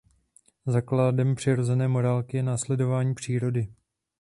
Základem přirozené morálky je následování přírody.